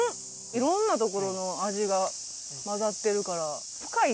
いろんな所の味が混ざってるから深い。